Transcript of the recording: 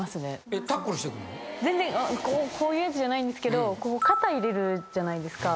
全然こういうやつじゃないんですけど肩入れるじゃないですか。